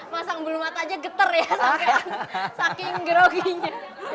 masang bulu mata aja getar ya saking groginya